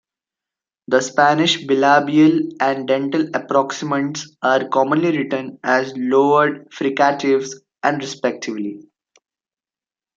The Spanish bilabial and dental approximants are commonly written as lowered fricatives, and respectively.